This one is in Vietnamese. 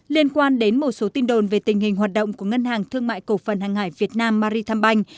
liên quan đến một số tin đồn về tình hình hoạt động của ngân hàng thương mại cổ phần hàng hải việt nam marie tham banh